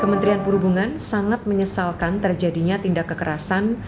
kementerian perhubungan sangat menyesalkan terjadinya tindak kekerasan